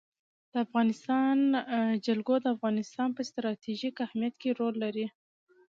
د افغانستان جلکو د افغانستان په ستراتیژیک اهمیت کې رول لري.